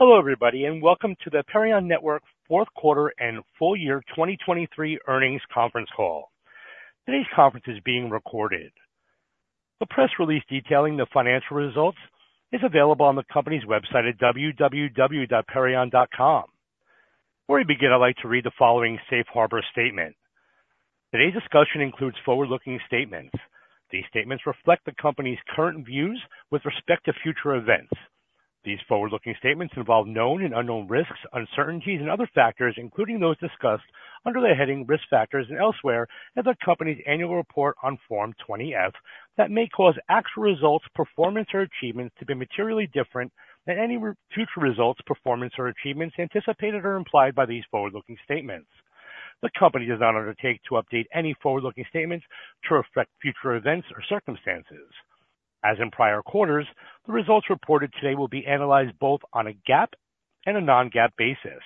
Hello, everybody, and welcome to the Perion Network fourth quarter and full year 2023 earnings conference call. Today's conference is being recorded. The press release detailing the financial results is available on the company's website at www.perion.com. Before we begin, I'd like to read the following safe harbor statement. Today's discussion includes forward-looking statements. These statements reflect the company's current views with respect to future events. These forward-looking statements involve known and unknown risks, uncertainties and other factors, including those discussed under the heading Risk Factors and elsewhere in the company's annual report on Form 20-F, that may cause actual results, performance or achievements to be materially different than any future results, performance or achievements anticipated or implied by these forward-looking statements. The Company does not undertake to update any forward-looking statements to reflect future events or circumstances. As in prior quarters, the results reported today will be analyzed both on a GAAP and a non-GAAP basis.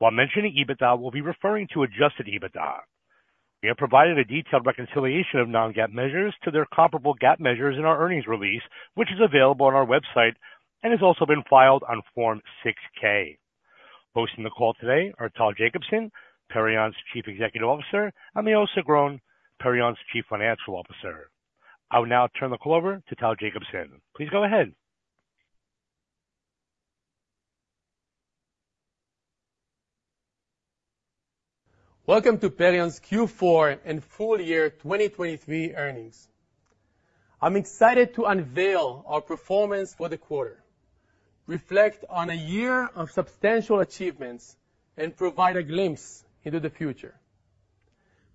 While mentioning EBITDA, we'll be referring to Adjusted EBITDA. We have provided a detailed reconciliation of non-GAAP measures to their comparable GAAP measures in our earnings release, which is available on our website and has also been filed on Form 6-K. Hosting the call today are Tal Jacobson, Perion's Chief Executive Officer, and Maoz Sigron, Perion's Chief Financial Officer. I will now turn the call over to Tal Jacobson. Please go ahead. Welcome to Perion's Q4 and full year 2023 earnings. I'm excited to unveil our performance for the quarter, reflect on a year of substantial achievements, and provide a glimpse into the future.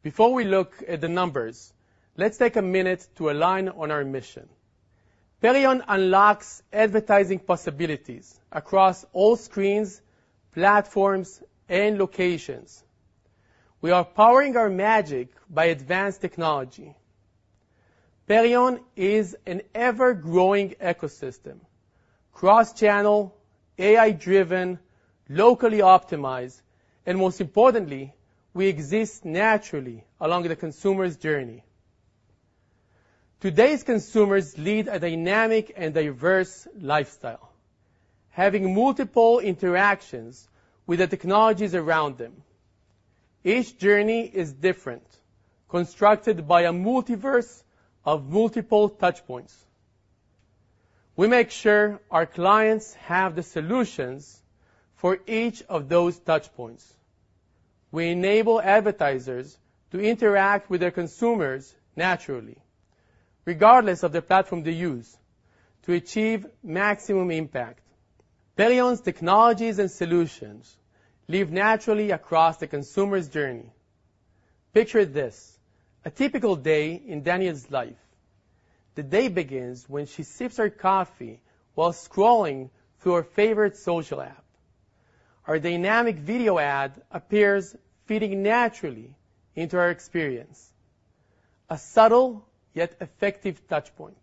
Before we look at the numbers, let's take a minute to align on our mission. Perion unlocks advertising possibilities across all screens, platforms, and locations. We are powering our magic by advanced technology. Perion is an ever-growing ecosystem, cross-channel, AI-driven, locally optimized, and most importantly, we exist naturally along the consumer's journey. Today's consumers lead a dynamic and diverse lifestyle, having multiple interactions with the technologies around them. Each journey is different, constructed by a multiverse of multiple touch points. We make sure our clients have the solutions for each of those touch points. We enable advertisers to interact with their consumers naturally, regardless of the platform they use, to achieve maximum impact. Perion's technologies and solutions live naturally across the consumer's journey. Picture this, a typical day in Danielle's life. The day begins when she sips her coffee while scrolling through her favorite social app. Our dynamic video ad appears, fitting naturally into her experience. A subtle yet effective touch point.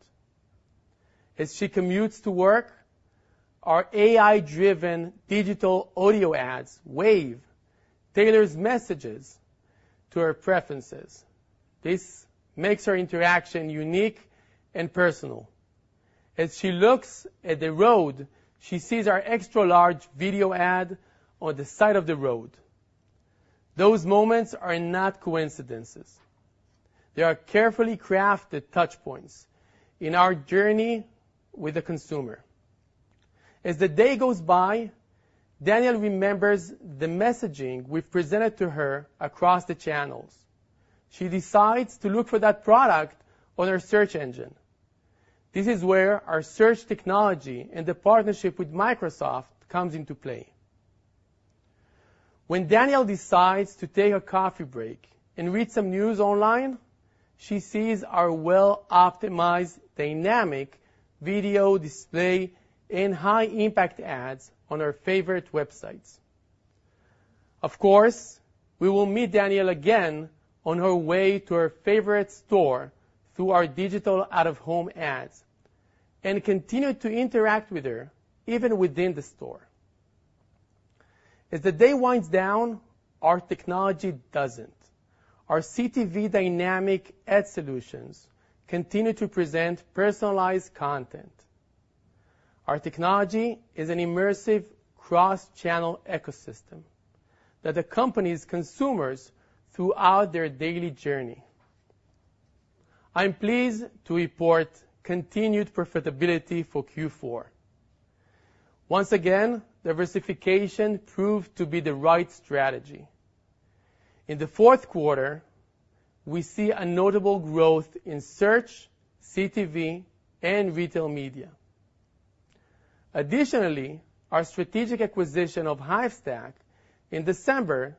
As she commutes to work, our AI-driven digital audio ads, Wave, tailors messages to her preferences. This makes her interaction unique and personal. As she looks at the road, she sees our extra large video ad on the side of the road. Those moments are not coincidences. They are carefully crafted touch points in our journey with the consumer. As the day goes by, Danielle remembers the messaging we've presented to her across the channels. She decides to look for that product on her search engine. This is where our search technology and the partnership with Microsoft comes into play. When Danielle decides to take a coffee break and read some news online, she sees our well-optimized dynamic video display and high impact ads on our favorite websites. Of course, we will meet Danielle again on her way to her favorite store through our digital out-of-home ads, and continue to interact with her even within the store. As the day winds down, our technology doesn't. Our CTV dynamic ad solutions continue to present personalized content. Our technology is an immersive cross-channel ecosystem that accompanies consumers throughout their daily journey. I'm pleased to report continued profitability for Q4. Once again, diversification proved to be the right strategy. In the fourth quarter, we see a notable growth in search, CTV, and retail media. Additionally, our strategic acquisition of Hivestack in December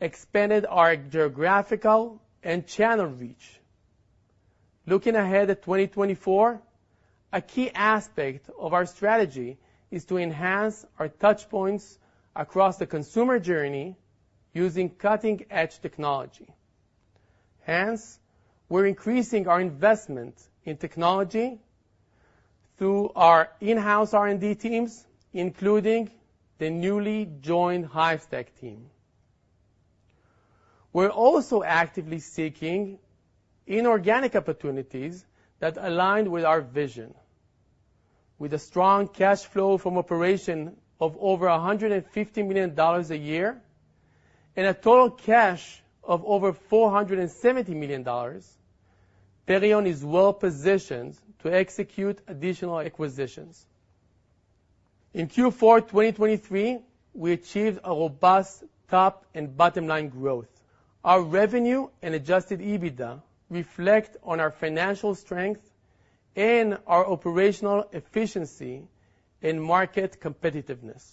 expanded our geographical and channel reach. Looking ahead at 2024, a key aspect of our strategy is to enhance our touch points across the consumer journey using cutting-edge technology. Hence, we're increasing our investment in technology through our in-house R&D teams, including the newly joined Hivestack team.... We're also actively seeking inorganic opportunities that align with our vision. With a strong cash flow from operation of over $150 million a year and a total cash of over $470 million, Perion is well positioned to execute additional acquisitions. In Q4 2023, we achieved a robust top and bottom line growth. Our revenue and Adjusted EBITDA reflect on our financial strength and our operational efficiency in market competitiveness.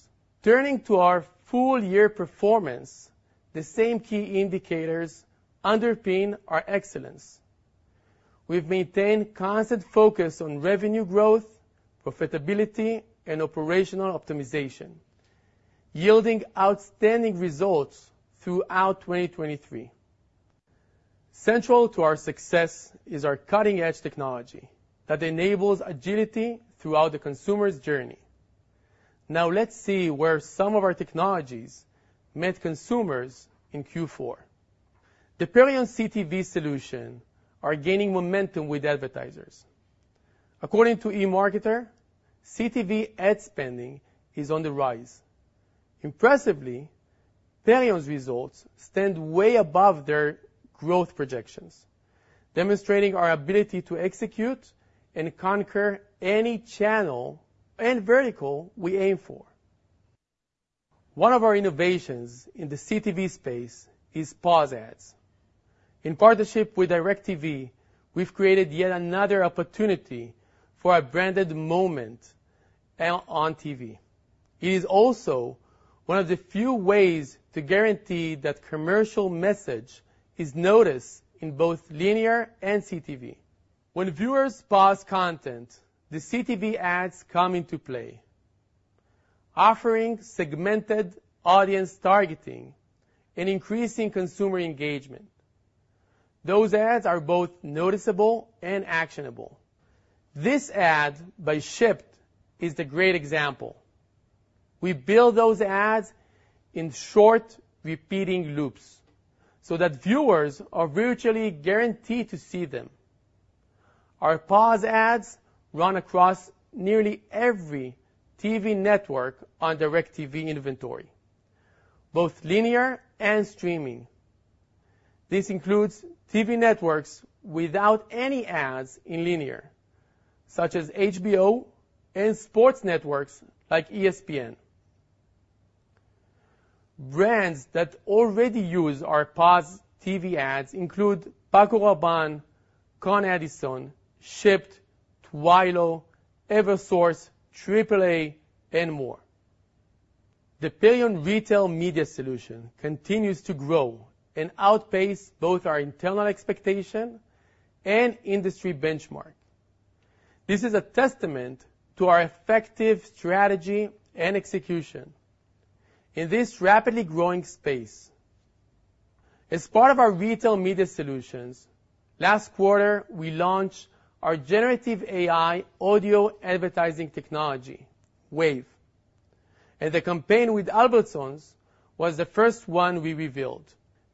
Turning to our full year performance, the same key indicators underpin our excellence. We've maintained constant focus on revenue growth, profitability, and operational optimization, yielding outstanding results throughout 2023. Central to our success is our cutting-edge technology that enables agility throughout the consumer's journey. Now, let's see where some of our technologies met consumers in Q4. The Perion CTV solution are gaining momentum with advertisers. According to eMarketer, CTV ad spending is on the rise. Impressively, Perion's results stand way above their growth projections, demonstrating our ability to execute and conquer any channel and vertical we aim for. One of our innovations in the CTV space is pause ads. In partnership with DirecTV, we've created yet another opportunity for a branded moment, on TV. It is also one of the few ways to guarantee that commercial message is noticed in both linear and CTV. When viewers pause content, the CTV ads come into play, offering segmented audience targeting and increasing consumer engagement. Those ads are both noticeable and actionable. This ad by Shipt is the great example. We build those ads in short, repeating loops so that viewers are virtually guaranteed to see them. Our pause ads run across nearly every TV network on DirecTV inventory, both linear and streaming. This includes TV networks without any ads in linear, such as HBO and sports networks like ESPN. Brands that already use our pause TV ads include Paco Rabanne, Con Edison, Shipt, Twilio, Eversource, AAA, and more. The Perion Retail Media Solution continues to grow and outpace both our internal expectation and industry benchmark. This is a testament to our effective strategy and execution in this rapidly growing space. As part of our retail media solutions, last quarter, we launched our generative AI audio advertising technology, Wave, and the campaign with Albertsons was the first one we revealed.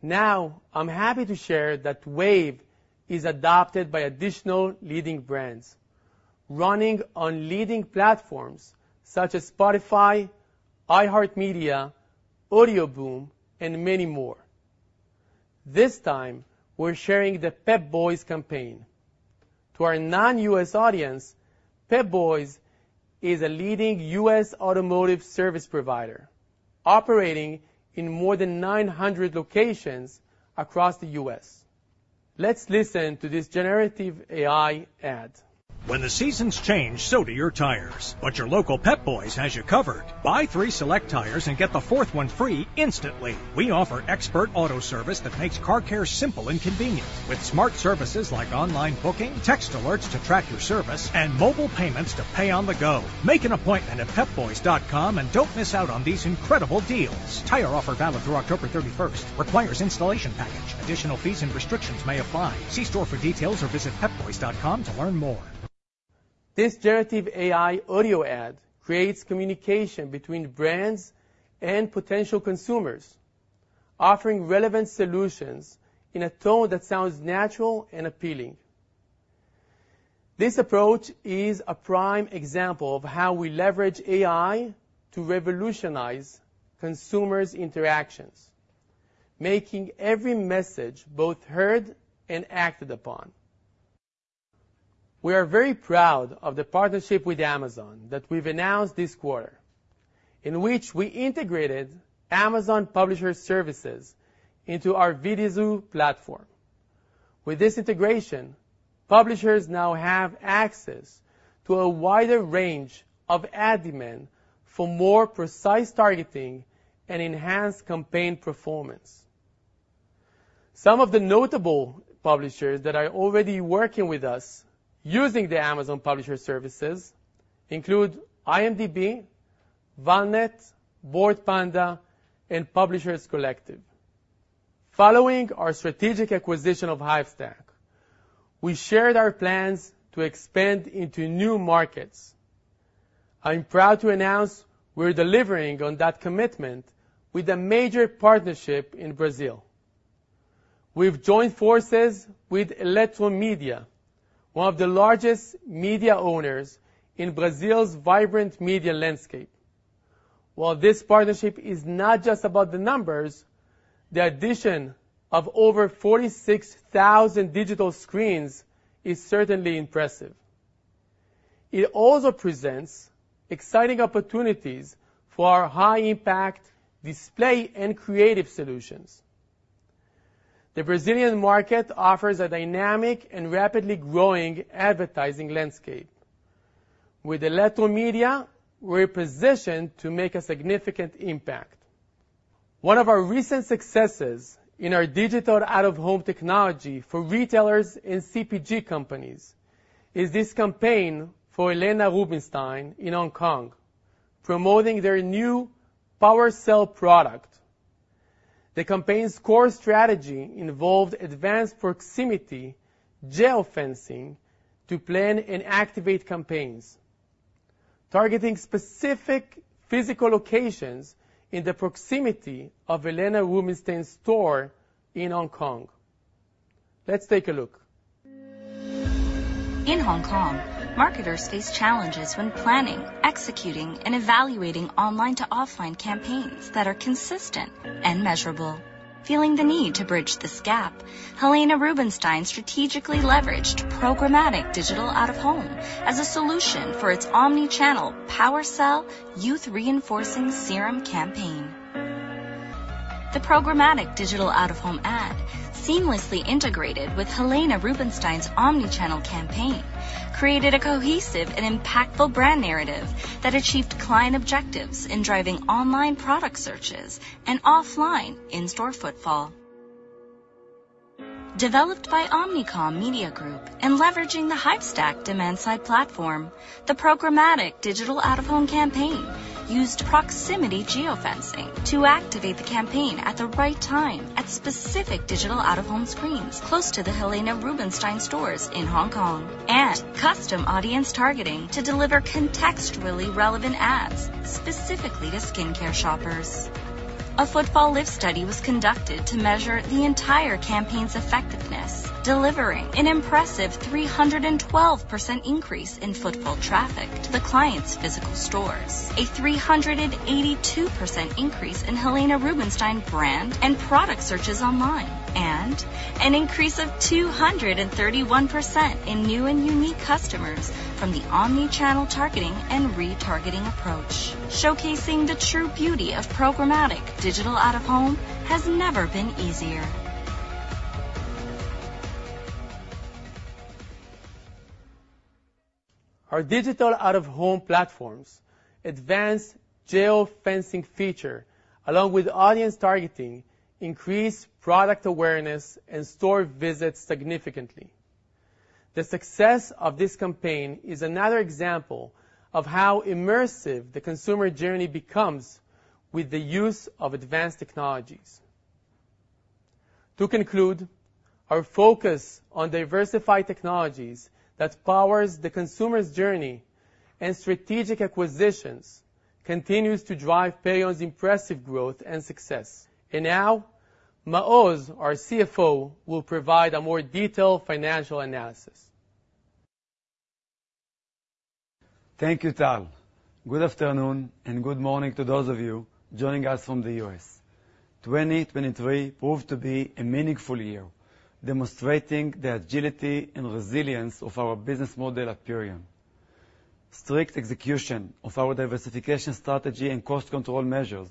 Now, I'm happy to share that Wave is adopted by additional leading brands, running on leading platforms such as Spotify, iHeartMedia, Audioboom, and many more. This time, we're sharing the Pep Boys campaign. To our non-U.S. audience, Pep Boys is a leading U.S. automotive service provider, operating in more than 900 locations across the U.S. Let's listen to this generative AI ad. When the seasons change, so do your tires, but your local Pep Boys has you covered. Buy three select tires and get the fourth one free instantly. We offer expert auto service that makes car care simple and convenient with smart services like online booking, text alerts to track your service, and mobile payments to pay on the go. Make an appointment at pepboys.com, and don't miss out on these incredible deals. Tire offer valid through October 31st. Requires installation package. Additional fees and restrictions may apply. See store for details or visit pepboys.com to learn more. This generative AI audio ad creates communication between brands and potential consumers, offering relevant solutions in a tone that sounds natural and appealing. This approach is a prime example of how we leverage AI to revolutionize consumers' interactions, making every message both heard and acted upon. We are very proud of the partnership with Amazon that we've announced this quarter, in which we integrated Amazon Publisher Services into our Vidazoo platform. With this integration, publishers now have access to a wider range of ad demand for more precise targeting and enhanced campaign performance. Some of the notable publishers that are already working with us using the Amazon Publisher Services include IMDb, Valnet, Bored Panda, and Publisher Collective. Following our strategic acquisition of Hivestack, we shared our plans to expand into new markets.... I'm proud to announce we're delivering on that commitment with a major partnership in Brazil. We've joined forces with Eletromidia, one of the largest media owners in Brazil's vibrant media landscape. While this partnership is not just about the numbers, the addition of over 46,000 digital screens is certainly impressive. It also presents exciting opportunities for our high-impact display and creative solutions. The Brazilian market offers a dynamic and rapidly growing advertising landscape. With Eletromidia, we're positioned to make a significant impact. One of our recent successes in our digital out-of-home technology for retailers and CPG companies is this campaign for Helena Rubinstein in Hong Kong, promoting their new Powercell product. The campaign's core strategy involved advanced proximity, geofencing, to plan and activate campaigns, targeting specific physical locations in the proximity of Helena Rubinstein store in Hong Kong. Let's take a look. In Hong Kong, marketers face challenges when planning, executing, and evaluating online to offline campaigns that are consistent and measurable. Feeling the need to bridge this gap, Helena Rubinstein strategically leveraged programmatic digital out-of-home as a solution for its omni-channel Powercell Youth Reinforcing Serum campaign. The programmatic digital out-of-home ad seamlessly integrated with Helena Rubinstein's omni-channel campaign, created a cohesive and impactful brand narrative that achieved client objectives in driving online product searches and offline in-store footfall. Developed by Omnicom Media Group and leveraging the Hivestack demand side platform, the programmatic digital out-of-home campaign used proximity geofencing to activate the campaign at the right time, at specific digital out-of-home screens close to the Helena Rubinstein stores in Hong Kong, and custom audience targeting to deliver contextually relevant ads specifically to skincare shoppers. A footfall lift study was conducted to measure the entire campaign's effectiveness, delivering an impressive 312% increase in footfall traffic to the client's physical stores, a 382% increase in Helena Rubinstein brand and product searches online, and an increase of 231% in new and unique customers from the omni-channel targeting and retargeting approach. Showcasing the true beauty of programmatic Digital Out-of-Home has never been easier. Our digital out-of-home platforms' advanced geofencing feature, along with audience targeting, increased product awareness and store visits significantly. The success of this campaign is another example of how immersive the consumer journey becomes with the use of advanced technologies. To conclude, our focus on diversified technologies that powers the consumer's journey and strategic acquisitions continues to drive Perion's impressive growth and success. And now, Maoz, our CFO, will provide a more detailed financial analysis. Thank you, Tal. Good afternoon, and good morning to those of you joining us from the U.S. 2023 proved to be a meaningful year, demonstrating the agility and resilience of our business model at Perion. Strict execution of our diversification strategy and cost control measures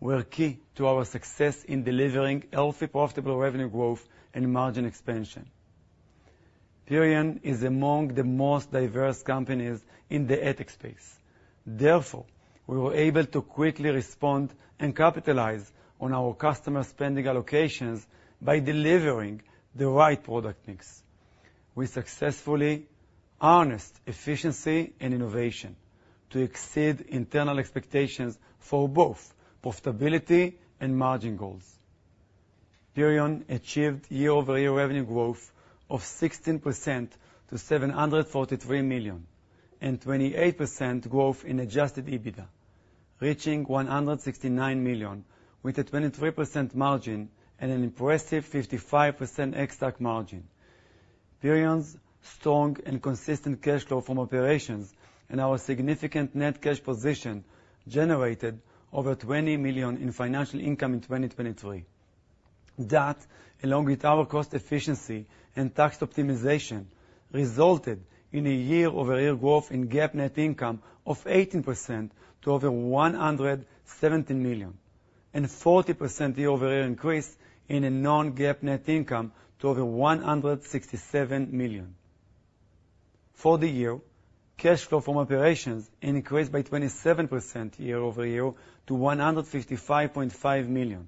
were key to our success in delivering healthy, profitable revenue growth and margin expansion. Perion is among the most diverse companies in the tech space. Therefore, we were able to quickly respond and capitalize on our customer spending allocations by delivering the right product mix. We successfully harnessed efficiency and innovation to exceed internal expectations for both profitability and margin goals. Perion achieved year-over-year revenue growth of 16% to $743 million, and 28% growth in Adjusted EBITDA, reaching $169 million, with a 23% margin and an impressive 55% ex-TAC margin. Perion's strong and consistent cash flow from operations and our significant net cash position generated over $20 million in financial income in 2023. That, along with our cost efficiency and tax optimization, resulted in a year-over-year growth in GAAP net income of 18% to over $117 million, and 40% year-over-year increase in a non-GAAP net income to over $167 million. For the year, cash flow from operations increased by 27% year-over-year to $155.5 million.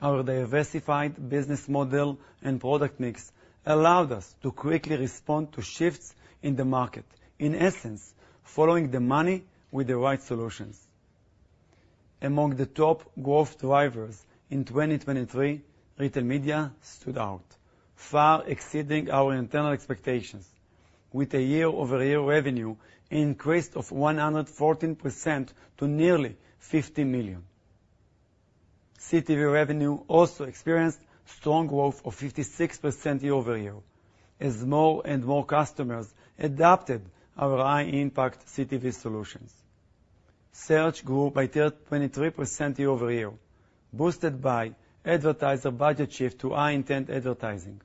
Our diversified business model and product mix allowed us to quickly respond to shifts in the market, in essence, following the money with the right solutions.... Among the top growth drivers in 2023, retail media stood out, far exceeding our internal expectations, with a year-over-year revenue increase of 114% to nearly $50 million. CTV revenue also experienced strong growth of 56% year-over-year, as more and more customers adopted our high-impact CTV solutions. Search grew by 23% year-over-year, boosted by advertiser budget shift to high-intent advertising.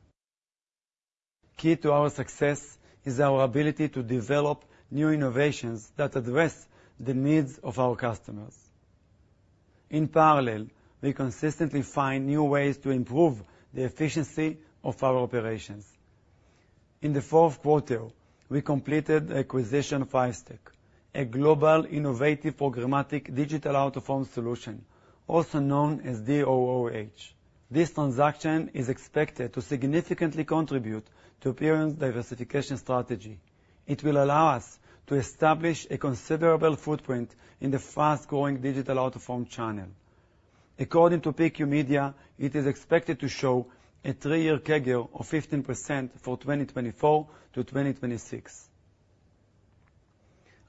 Key to our success is our ability to develop new innovations that address the needs of our customers. In parallel, we consistently find new ways to improve the efficiency of our operations. In the fourth quarter, we completed the acquisition of Hivestack, a global innovative programmatic digital out-of-home solution, also known as DOOH. This transaction is expected to significantly contribute to Perion's diversification strategy. It will allow us to establish a considerable footprint in the fast-growing digital out-of-home channel. According to PQ Media, it is expected to show a three-year CAGR of 15% for 2024-2026.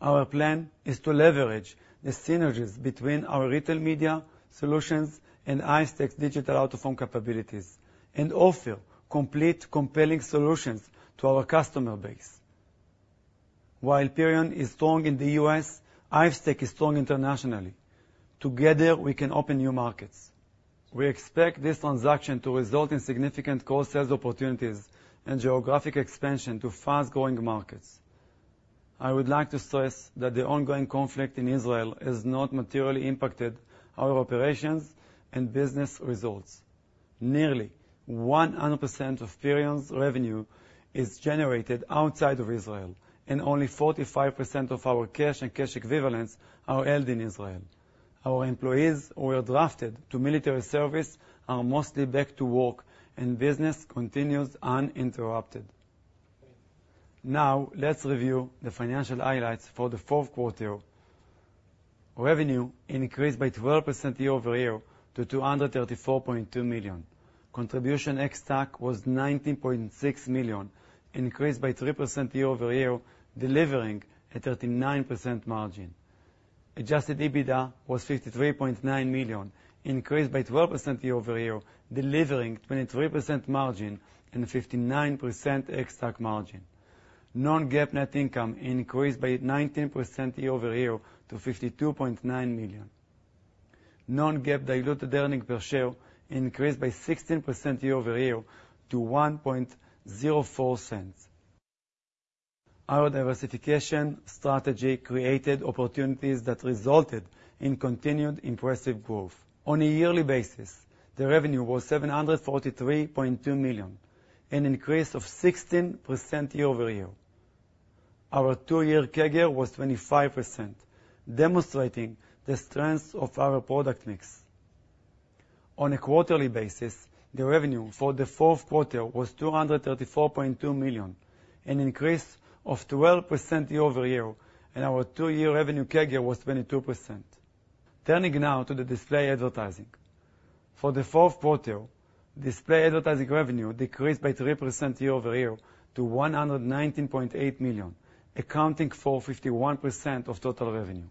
Our plan is to leverage the synergies between our retail media solutions and Hivestack's digital out-of-home capabilities and offer complete, compelling solutions to our customer base. While Perion is strong in the U.S., Hivestack is strong internationally. Together, we can open new markets. We expect this transaction to result in significant cross-sales opportunities and geographic expansion to fast-growing markets. I would like to stress that the ongoing conflict in Israel has not materially impacted our operations and business results. Nearly 100% of Perion's revenue is generated outside of Israel, and only 45% of our cash and cash equivalents are held in Israel. Our employees who were drafted to military service are mostly back to work, and business continues uninterrupted. Now, let's review the financial highlights for the fourth quarter. Revenue increased by 12% year-over-year to $234.2 million. Contribution ex-TAC was $19.6 million, increased by 3% year-over-year, delivering a 39% margin. Adjusted EBITDA was $53.9 million, increased by 12% year-over-year, delivering 23% margin and 59% ex-TAC margin. Non-GAAP net income increased by 19% year-over-year to $52.9 million. Non-GAAP diluted earnings per share increased by 16% year-over-year to $1.04. Our diversification strategy created opportunities that resulted in continued impressive growth. On a yearly basis, the revenue was $743.2 million, an increase of 16% year-over-year. Our two-year CAGR was 25%, demonstrating the strength of our product mix. On a quarterly basis, the revenue for the fourth quarter was $234.2 million, an increase of 12% year-over-year, and our two-year revenue CAGR was 22%. Turning now to the display advertising. For the fourth quarter, display advertising revenue decreased by 3% year-over-year to $119.8 million, accounting for 51% of total revenue.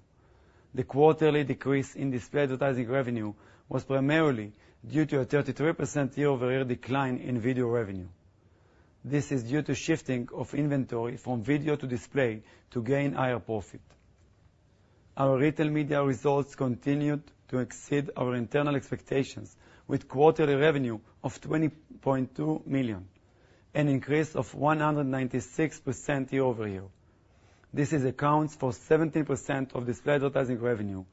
The quarterly decrease in display advertising revenue was primarily due to a 33% year-over-year decline in video revenue. This is due to shifting of inventory from video to display to gain higher profit. Our retail media results continued to exceed our internal expectations, with quarterly revenue of $20.2 million, an increase of 196% year-over-year. This accounts for 17% of display advertising revenue,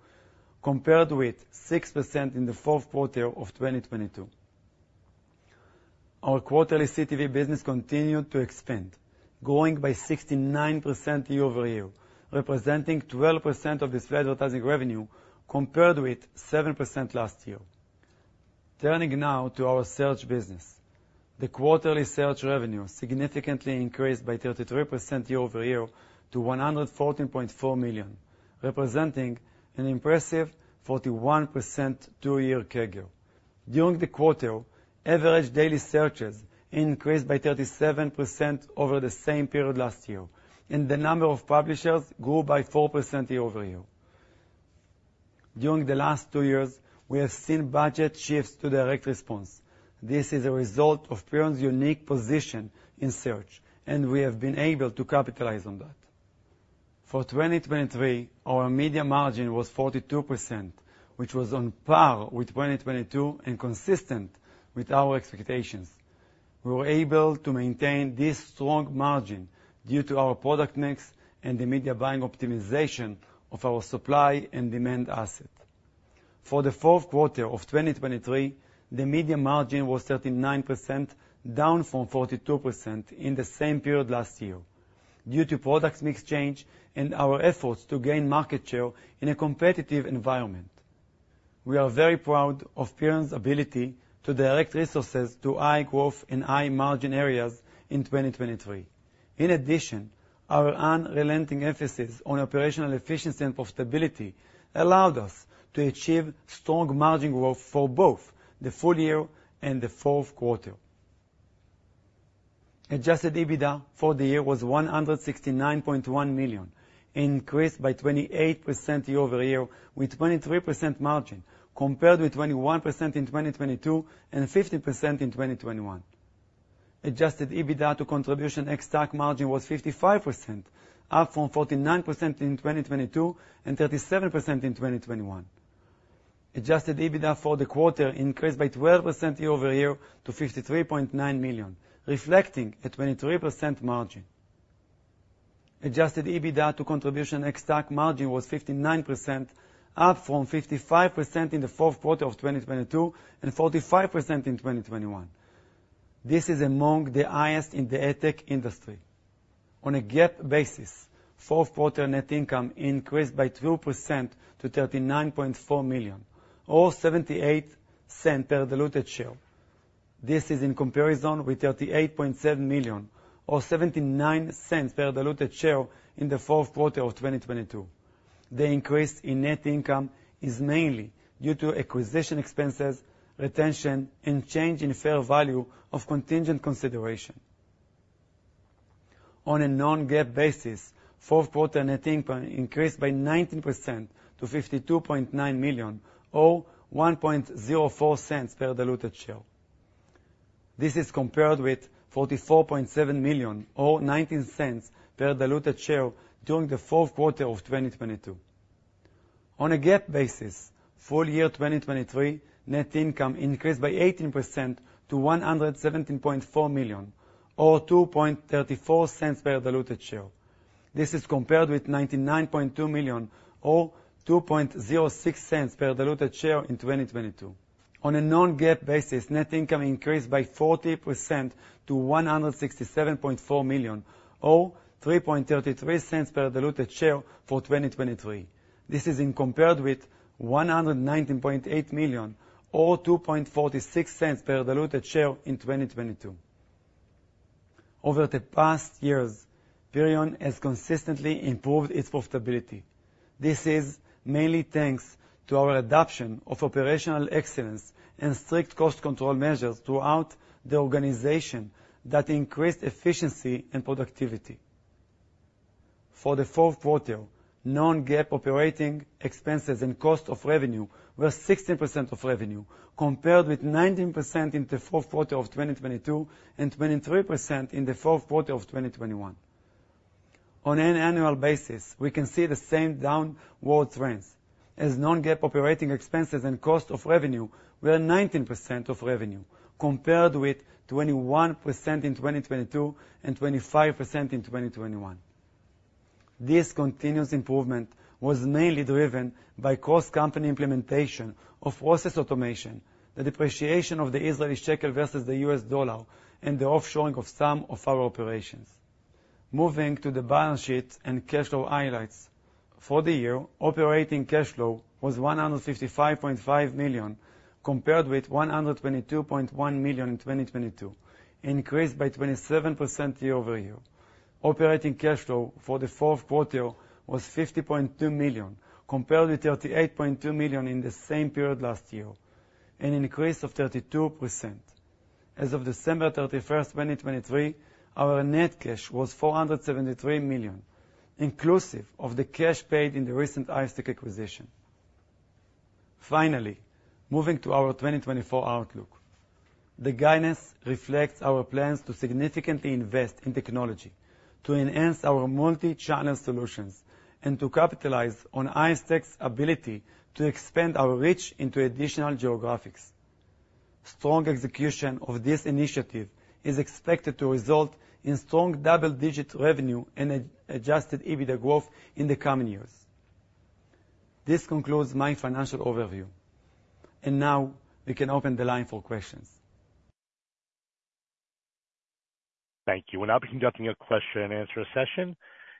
compared with 6% in the fourth quarter of 2022. Our quarterly CTV business continued to expand, growing by 69% year-over-year, representing 12% of display advertising revenue, compared with 7% last year. Turning now to our search business. The quarterly search revenue significantly increased by 33% year-over-year to $114.4 million, representing an impressive 41% two-year CAGR. During the quarter, average daily searches increased by 37% over the same period last year, and the number of publishers grew by 4% year-over-year. During the last two years, we have seen budget shifts to direct response. This is a result of Perion's unique position in search, and we have been able to capitalize on that. For 2023, our media margin was 42%, which was on par with 2022 and consistent with our expectations. We were able to maintain this strong margin due to our product mix and the media buying optimization of our supply and demand asset. For the fourth quarter of 2023, the media margin was 39%, down from 42% in the same period last year, due to product mix change and our efforts to gain market share in a competitive environment. We are very proud of Perion's ability to direct resources to high growth and high margin areas in 2023.... In addition, our unrelenting emphasis on operational efficiency and profitability allowed us to achieve strong margin growth for both the full year and the fourth quarter. Adjusted EBITDA for the year was $169.1 million, increased by 28% year-over-year, with 23% margin, compared with 21% in 2022, and 15% in 2021. Adjusted EBITDA to contribution ex-TAC margin was 55%, up from 49% in 2022, and 37% in 2021. Adjusted EBITDA for the quarter increased by 12% year-over-year to $53.9 million, reflecting a 23% margin. Adjusted EBITDA to contribution ex-TAC margin was 59%, up from 55% in the fourth quarter of 2022, and 45% in 2021. This is among the highest in the tech industry. On a GAAP basis, fourth quarter net income increased by 2% to $39.4 million, or $0.78 per diluted share. This is in comparison with $38.7 million, or $0.79 per diluted share in the fourth quarter of 2022. The increase in net income is mainly due to acquisition expenses, retention, and change in fair value of contingent consideration. On a non-GAAP basis, fourth quarter net income increased by 19% to $52.9 million, or $1.04 per diluted share. This is compared with $44.7 million, or $0.19 per diluted share during the fourth quarter of 2022. On a GAAP basis, full year 2023 net income increased by 18% to $117.4 million, or $2.34 per diluted share. This is compared with $99.2 million, or $2.06 per diluted share in 2022. On a non-GAAP basis, net income increased by 40% to $167.4 million, or $3.33 per diluted share for 2023. This is compared with $119.8 million, or $2.46 per diluted share in 2022. Over the past years, Perion has consistently improved its profitability. This is mainly thanks to our adoption of operational excellence and strict cost control measures throughout the organization that increased efficiency and productivity. For the fourth quarter, non-GAAP operating expenses and cost of revenue were 16% of revenue, compared with 19% in the fourth quarter of 2022, and 23% in the fourth quarter of 2021. On an annual basis, we can see the same downward trends as non-GAAP operating expenses and cost of revenue were 19% of revenue, compared with 21% in 2022, and 25% in 2021. This continuous improvement was mainly driven by cross-company implementation of process automation, the depreciation of the Israeli shekel versus the US dollar, and the offshoring of some of our operations. Moving to the balance sheet and cash flow highlights. For the year, operating cash flow was $155.5 million, compared with $122.1 million in 2022, increased by 27% year-over-year. Operating cash flow for the fourth quarter was $50.2 million, compared with $38.2 million in the same period last year, an increase of 32%. As of December 31, 2023, our net cash was $473 million, inclusive of the cash paid in the recent Hivestack acquisition. Finally, moving to our 2024 outlook. The guidance reflects our plans to significantly invest in technology, to enhance our multi-channel solutions, and to capitalize on Hivestack's ability to expand our reach into additional geographies. Strong execution of this initiative is expected to result in strong double-digit revenue and Adjusted EBITDA growth in the coming years. This concludes my financial overview. Now we can open the line for questions. Thank you. We'll now be conducting a question and answer session.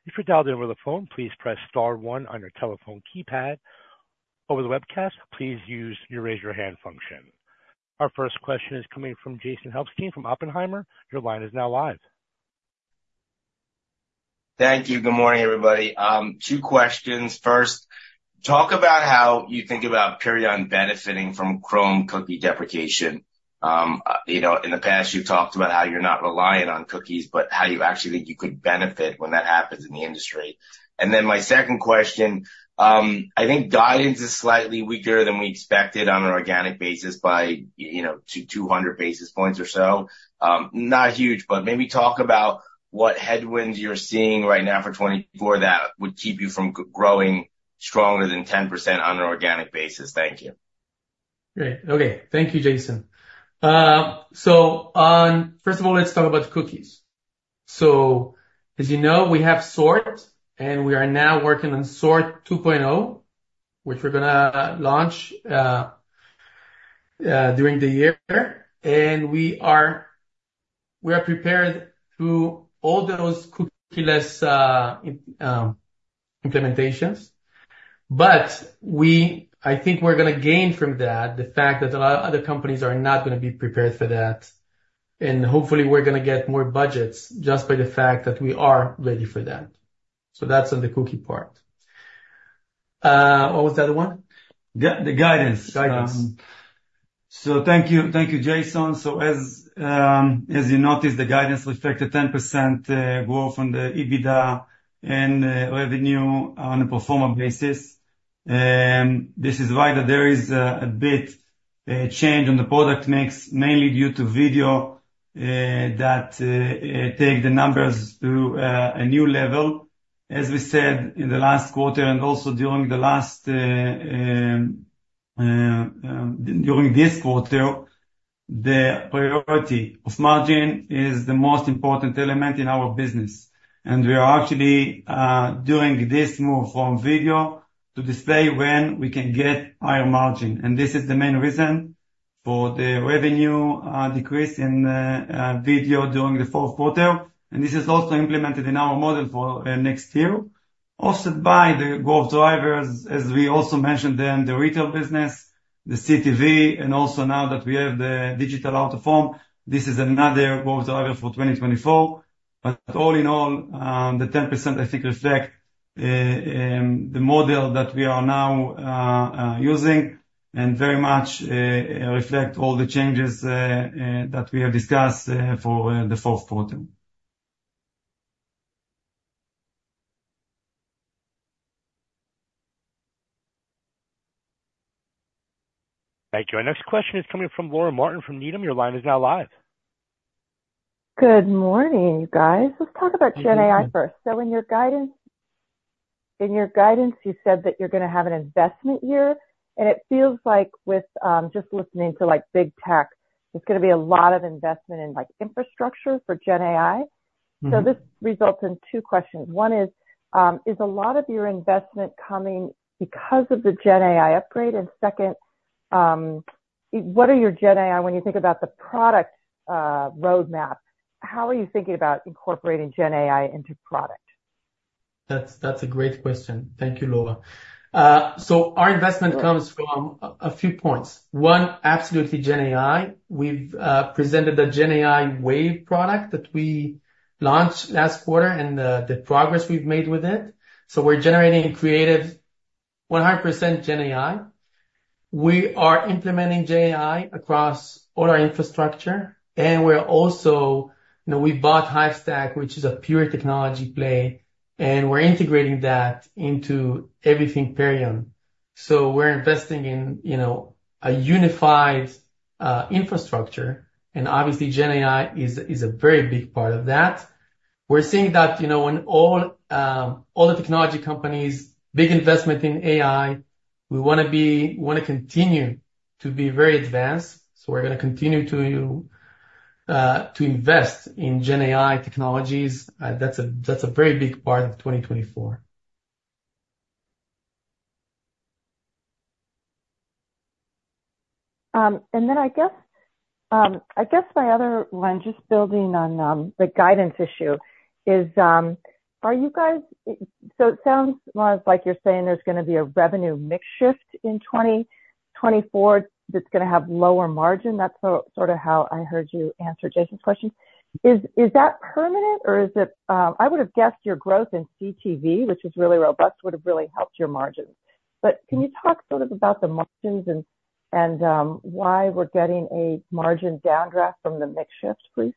If you dialed in over the phone, please press star one on your telephone keypad. Over the webcast, please use your Raise Your Hand function. Our first question is coming from Jason Helfstein from Oppenheimer. Your line is now live. Thank you. Good morning, everybody. Two questions. First, talk about how you think about Perion benefiting from Chrome cookie deprecation. You know, in the past, you've talked about how you're not reliant on cookies, but how you actually think you could benefit when that happens in the industry. And then my second question, I think guidance is slightly weaker than we expected on an organic basis by, you know, 200 basis points or so. Not huge, but maybe talk about what headwinds you're seeing right now for 2024 that would keep you from growing stronger than 10% on an organic basis. Thank you. Great. Okay. Thank you, Jason. So, first of all, let's talk about cookies. So as you know, we have SORT, and we are now working on SORT 2.0, which we're gonna launch during the year. And we are prepared to all those cookieless,... implementations. But we, I think we're going to gain from that, the fact that a lot of other companies are not going to be prepared for that, and hopefully we're going to get more budgets just by the fact that we are ready for that. So that's on the cookie part. What was the other one? The guidance. Guidance. So thank you. Thank you, Jason. So as you noticed, the guidance reflect a 10% growth on the EBITDA and revenue on a pro forma basis. And this is why that there is a bit change on the product mix, mainly due to video that take the numbers to a new level. As we said in the last quarter and also during this quarter, the priority of margin is the most important element in our business, and we are actually doing this move from video to display when we can get higher margin. And this is the main reason for the revenue decrease in video during the fourth quarter. And this is also implemented in our model for next year, also by the growth drivers, as we also mentioned, in the retail business, the CTV, and also now that we have the digital out-of-home, this is another growth driver for 2024. But all in all, the 10%, I think, reflect the model that we are now using, and very much reflect all the changes that we have discussed for the fourth quarter. Thank you. Our next question is coming from Laura Martin, from Needham. Your line is now live. Good morning, guys. Good morning. Let's talk about GenAI first. So in your guidance, in your guidance, you said that you're going to have an investment year, and it feels like with, just listening to, like, big tech, there's going to be a lot of investment in, like, infrastructure for GenAI. Mm-hmm. So this results in two questions. One is, is a lot of your investment coming because of the GenAI upgrade? And second, what are your GenAI when you think about the product, roadmap, how are you thinking about incorporating GenAI into product? That's a great question. Thank you, Laura. So our investment comes from a few points. One, absolutely GenAI. We've presented the GenAI Wave product that we launched last quarter and the progress we've made with it. So we're generating creative 100% GenAI. We are implementing GenAI across all our infrastructure, and we're also, you know, we bought Hivestack, which is a pure technology play, and we're integrating that into everything Perion. So we're investing in, you know, a unified infrastructure, and obviously GenAI is a very big part of that. We're seeing that, you know, when all the technology companies, big investment in AI, we want to be—we want to continue to be very advanced, so we're going to continue to invest in GenAI technologies. That's a, that's a very big part of 2024. And then I guess, I guess my other one, just building on, the guidance issue, is, are you guys... So it sounds more like you're saying there's going to be a revenue mix shift in 2024 that's going to have lower margin. That's sort of how I heard you answer Jason's question. Is, is that permanent or is it, I would have guessed your growth in CTV, which is really robust, would have really helped your margins. But can you talk sort of about the margins and, and, why we're getting a margin downdraft from the mix shift, please?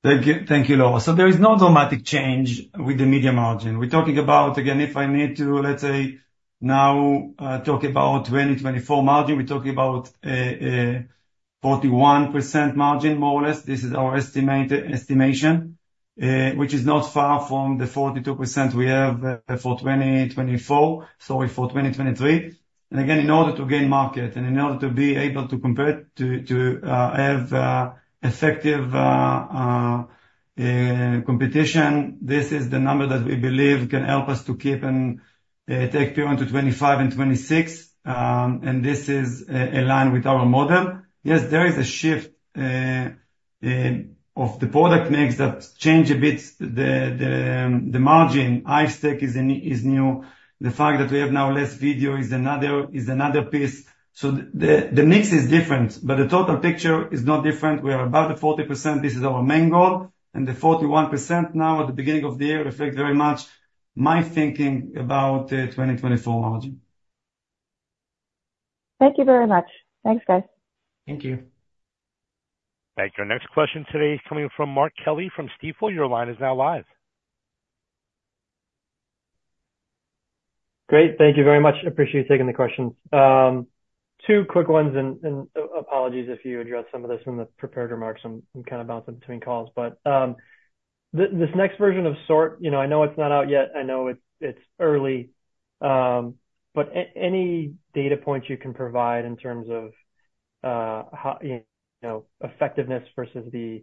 Thank you. Thank you, Laura. So there is no dramatic change with the media margin. We're talking about, again, if I need to, let's say, now, talk about 2024 margin, we're talking about, 41% margin, more or less. This is our estimated estimation, which is not far from the 42% we have, for 2024, sorry, for 2023. And again, in order to gain market and in order to be able to convert, to, to, have, effective, competition, this is the number that we believe can help us to keep and, take Perion to 25 and 26. And this is, aligned with our model. Yes, there is a shift, of the product mix that change a bit the, the, the margin. Hivestack is new, is new. The fact that we have now less video is another piece. So the mix is different, but the total picture is not different. We are about the 40%. This is our main goal, and the 41% now, at the beginning of the year, reflects very much my thinking about the 2024 margin. Thank you very much. Thanks, guys. Thank you. Thank you. Our next question today is coming from Mark Kelley from Stifel. Your line is now live. Great. Thank you very much. Appreciate you taking the questions. Two quick ones, and apologies if you addressed some of this in the prepared remarks. I'm kind of bouncing between calls. But this next version of SORT, you know, I know it's not out yet, I know it's early, but any data points you can provide in terms of, you know, effectiveness versus the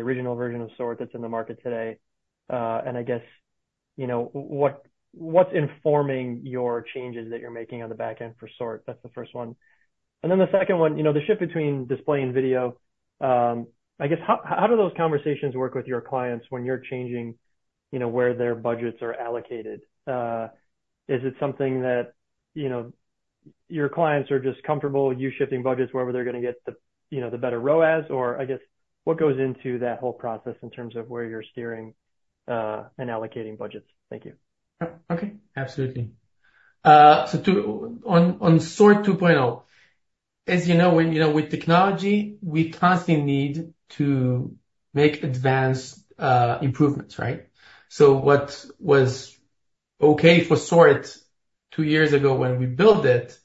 original version of SORT that's in the market today? And I guess, you know, what what's informing your changes that you're making on the back end for SORT? That's the first one. And then the second one, you know, the shift between display and video, I guess, how do those conversations work with your clients when you're changing, you know, where their budgets are allocated? Is it something that, you know, your clients are just comfortable you shifting budgets wherever they're gonna get the, you know, the better ROAS? Or I guess, what goes into that whole process in terms of where you're steering, and allocating budgets? Thank you. Oh, okay. Absolutely. So, on SORT 2.0, as you know, when, you know, with technology, we constantly need to make advanced improvements, right? So what was okay for SORT two years ago when we built it,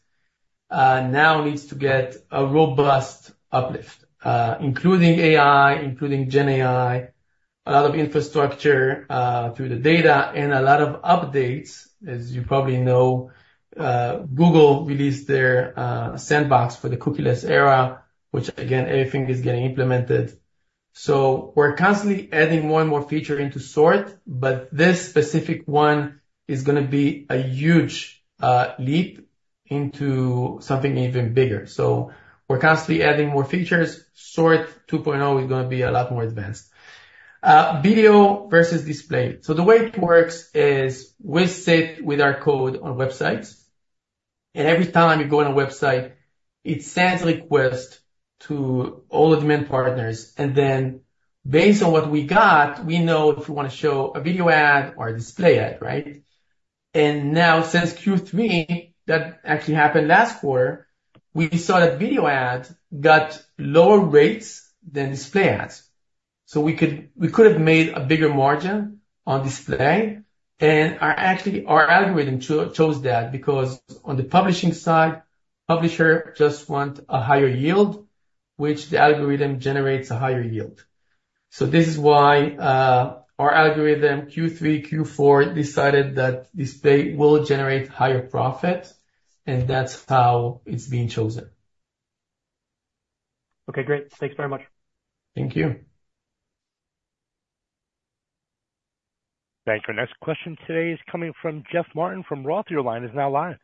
now needs to get a robust uplift, including AI, including GenAI, a lot of infrastructure through the data, and a lot of updates. As you probably know, Google released their sandbox for the cookieless era, which again, everything is getting implemented. So we're constantly adding one more feature into SORT, but this specific one is gonna be a huge leap into something even bigger. So we're constantly adding more features. SORT 2.0 is gonna be a lot more advanced. Video versus display. So the way it works is we sit with our code on websites, and every time you go on a website, it sends a request to all the demand partners, and then based on what we got, we know if we wanna show a video ad or a display ad, right? And now, since Q3, that actually happened last quarter, we saw that video ads got lower rates than display ads. So we could, we could have made a bigger margin on display, and our actually, our algorithm chose that because on the publishing side, publisher just want a higher yield, which the algorithm generates a higher yield. So this is why, our algorithm, Q3, Q4, decided that display will generate higher profit, and that's how it's being chosen. Okay, great. Thanks very much. Thank you. Thank you. Our next question today is coming from Jeff Martin from Roth. Your line is now live.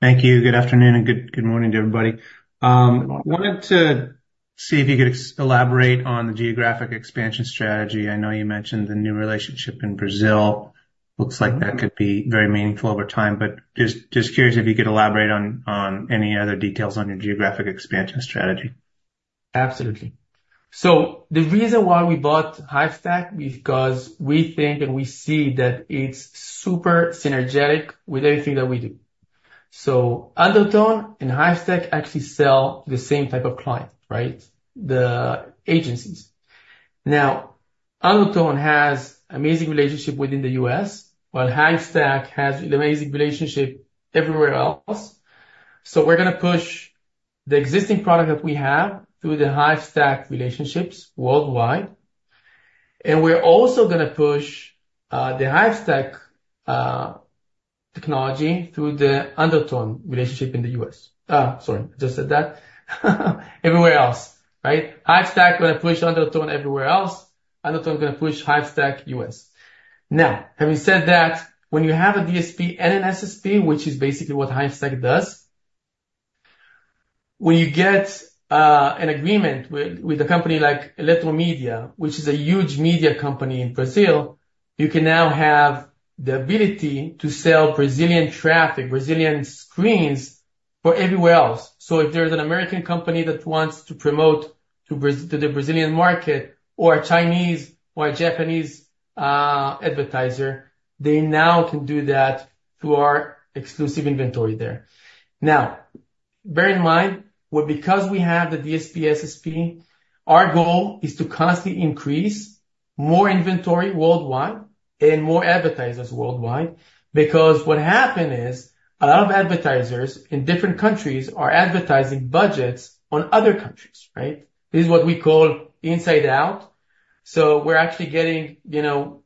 Thank you. Good afternoon and good, good morning to everybody. Good morning. Wanted to see if you could elaborate on the geographic expansion strategy. I know you mentioned the new relationship in Brazil. Looks like that could be very meaningful over time, but just curious if you could elaborate on any other details on your geographic expansion strategy. Absolutely. So the reason why we bought Hivestack is because we think, and we see that it's super synergetic with everything that we do. So Undertone and Hivestack actually sell the same type of client, right? The agencies. Now, Undertone has amazing relationship within the U.S., while Hivestack has an amazing relationship everywhere else. So we're gonna push the existing product that we have through the Hivestack relationships worldwide, and we're also gonna push the Hivestack technology through the Undertone relationship in the U.S. Sorry, just said that. Everywhere else, right? Hivestack gonna push Undertone everywhere else, Undertone gonna push Hivestack U.S. Now, having said that, when you have a DSP and an SSP, which is basically what Hivestack does, when you get an agreement with a company like Eletromidia, which is a huge media company in Brazil, you can now have the ability to sell Brazilian traffic, Brazilian screens for everywhere else. So if there's an American company that wants to promote to the Brazilian market or a Chinese or a Japanese advertiser, they now can do that through our exclusive inventory there. Now, bear in mind, well, because we have the DSP, SSP, our goal is to constantly increase more inventory worldwide and more advertisers worldwide. Because what happened is, a lot of advertisers in different countries are advertising budgets on other countries, right? This is what we call inside out. So we're actually getting, you know,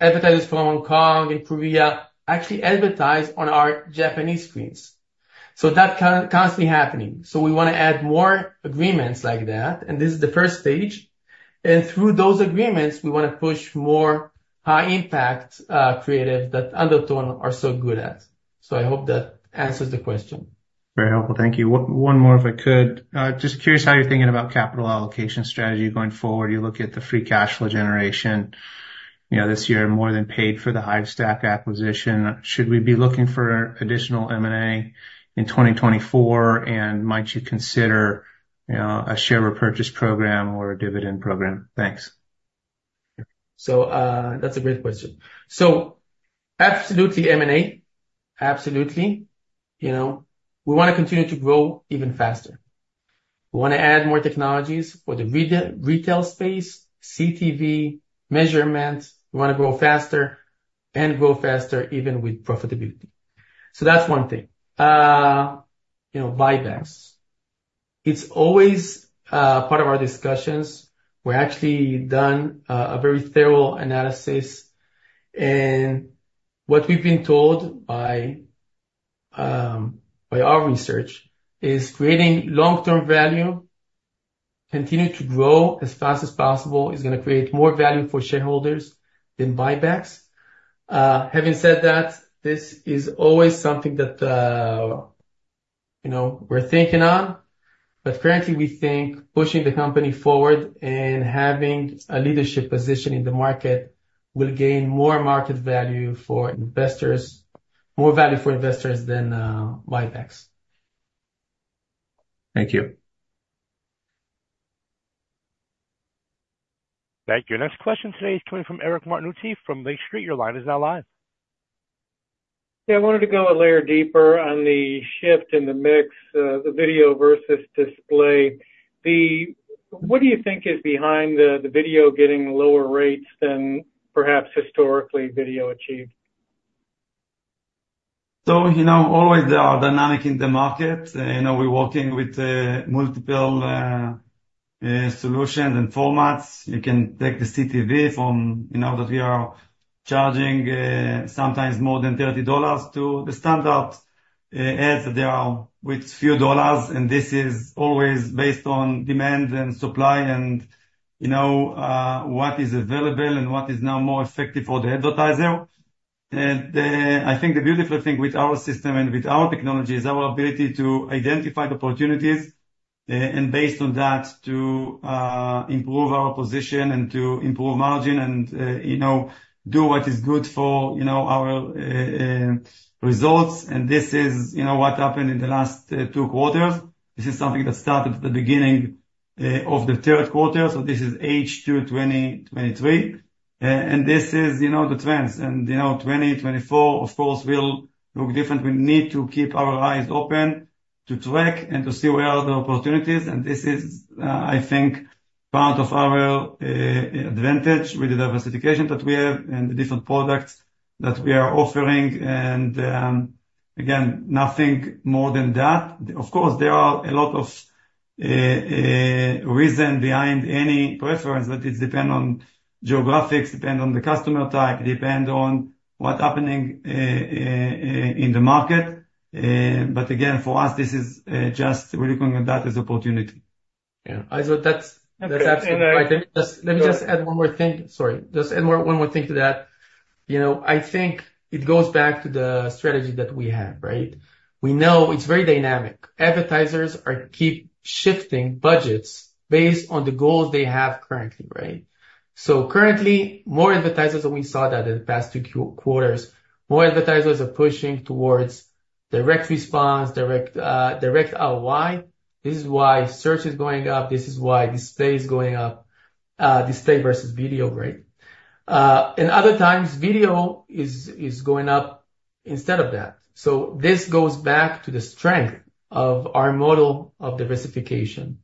advertisers from Hong Kong and Korea actually advertise on our Japanese screens. So that's constantly happening. So we wanna add more agreements like that, and this is the first stage. And through those agreements, we wanna push more high impact creative that Undertone are so good at. So I hope that answers the question. Very helpful. Thank you. One more, if I could. Just curious how you're thinking about capital allocation strategy going forward. You look at the free cash flow generation, you know, this year, more than paid for the Hivestack acquisition. Should we be looking for additional M&A in 2024? And might you consider, you know, a share repurchase program or a dividend program? Thanks. So, that's a great question. So absolutely, M&A. Absolutely, you know, we wanna continue to grow even faster. We wanna add more technologies for the retail space, CTV, measurement. We wanna grow faster and grow faster, even with profitability. So that's one thing. You know, buybacks. It's always part of our discussions. We're actually done a very thorough analysis, and what we've been told by our research, is creating long-term value-... continue to grow as fast as possible is going to create more value for shareholders than buybacks. Having said that, this is always something that, you know, we're thinking on, but currently, we think pushing the company forward and having a leadership position in the market will gain more market value for investors - more value for investors than buybacks. Thank you. Thank you. Next question today is coming from Eric Martinuzzi from Lake Street. Your line is now live. Yeah, I wanted to go a layer deeper on the shift in the mix, the video versus display. What do you think is behind the video getting lower rates than perhaps historically video achieved? So, you know, always there are dynamics in the market, and, you know, we're working with multiple solutions and formats. You can take the CTV from, you know, that we are charging sometimes more than $30 to the standard ads that are with few dollars, and this is always based on demand and supply and, you know, what is available and what is now more effective for the advertiser. I think the beautiful thing with our system and with our technology is our ability to identify the opportunities, and based on that, to improve our position and to improve margin and, you know, do what is good for, you know, our results. And this is, you know, what happened in the last two quarters. This is something that started at the beginning of the third quarter, so this is H2 2023. And this is, you know, the trends, and, you know, 2024, of course, will look different. We need to keep our eyes open to track and to see where are the opportunities, and this is, I think, part of our advantage with the diversification that we have and the different products that we are offering, and, again, nothing more than that. Of course, there are a lot of reason behind any preference, but it depend on geographics, depend on the customer type, depend on what's happening in the market. But again, for us, this is just we're looking at that as opportunity. Yeah, I thought that's absolutely right. Let me just add one more thing. Sorry. Just add one more thing to that. You know, I think it goes back to the strategy that we have, right? We know it's very dynamic. Advertisers are keep shifting budgets based on the goals they have currently, right? So currently, more advertisers, and we saw that in the past two quarters, more advertisers are pushing towards direct response, direct, direct ROI. This is why search is going up. This is why display is going up, display versus video, right? And other times, video is going up instead of that. So this goes back to the strength of our model of diversification.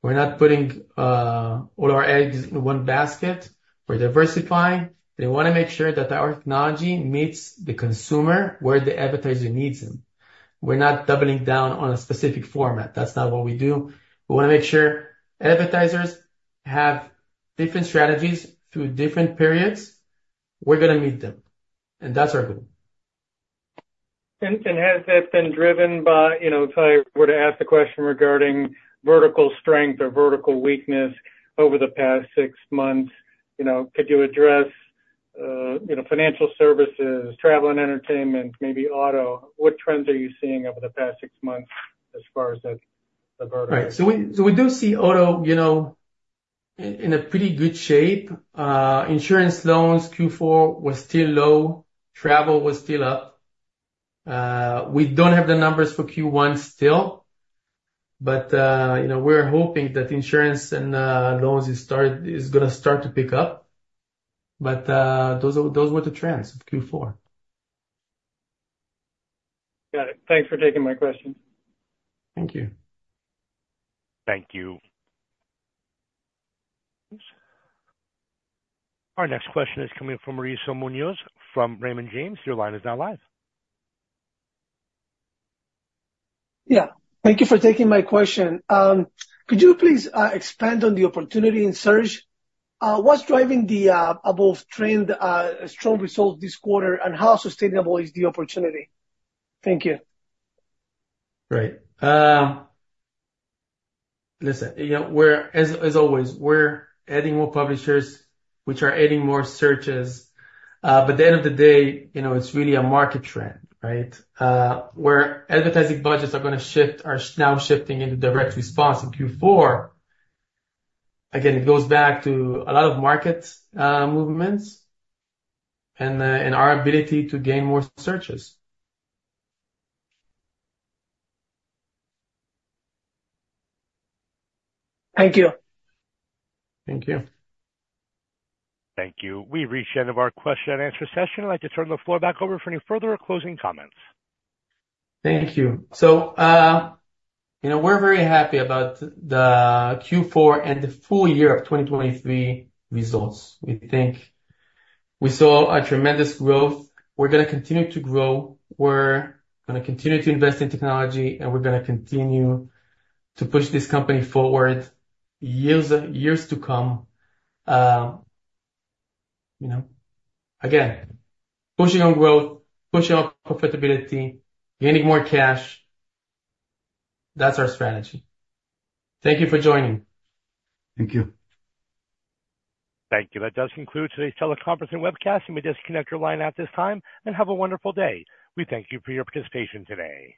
We're not putting all our eggs in one basket. We're diversifying. They want to make sure that our technology meets the consumer where the advertiser needs them. We're not doubling down on a specific format. That's not what we do. We want to make sure advertisers have different strategies through different periods. We're going to meet them, and that's our goal. And has that been driven by, you know, if I were to ask the question regarding vertical strength or vertical weakness over the past six months, you know, could you address, you know, financial services, travel and entertainment, maybe auto? What trends are you seeing over the past six months as far as the vertical? Right. So we do see auto, you know, in a pretty good shape. Insurance, loans, Q4 was still low. Travel was still up. We don't have the numbers for Q1 still, but, you know, we're hoping that insurance and loans is going to start to pick up, but those were the trends of Q4. Got it. Thanks for taking my questions. Thank you. Thank you. Our next question is coming from Mauricio Munoz from Raymond James. Your line is now live. Yeah. Thank you for taking my question. Could you please expand on the opportunity in search? What's driving the above-trend strong results this quarter, and how sustainable is the opportunity? Thank you. Right. Listen, you know, we're adding more publishers, which are adding more searches. But at the end of the day, you know, it's really a market trend, right? Where advertising budgets are gonna shift, are now shifting into direct response in Q4, again, it goes back to a lot of market movements and our ability to gain more searches. Thank you. Thank you. Thank you. We've reached the end of our question and answer session. I'd like to turn the floor back over for any further closing comments. Thank you. So, you know, we're very happy about the Q4 and the full year of 2023 results. We think we saw a tremendous growth. We're going to continue to grow, we're going to continue to invest in technology, and we're going to continue to push this company forward years, years to come. You know, again, pushing on growth, pushing on profitability, gaining more cash, that's our strategy. Thank you for joining. Thank you. Thank you. That does conclude today's teleconference and webcast. You may disconnect your line at this time, and have a wonderful day. We thank you for your participation today.